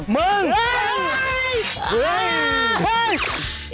มึงเฮ้ยเฮ้ย